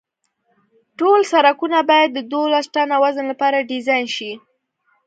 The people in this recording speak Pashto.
ټول سرکونه باید د دولس ټنه وزن لپاره ډیزاین شي